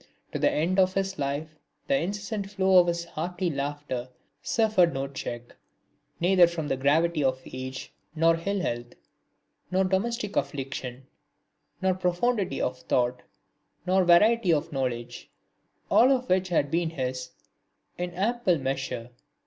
To the end of his life the incessant flow of his hearty laughter suffered no check, neither from the gravity of age, nor ill health, nor domestic affliction, nor profundity of thought, nor variety of knowledge, all of which had been his in ample measure.